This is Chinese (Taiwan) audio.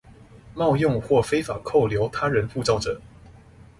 冒用或非法扣留他人護照者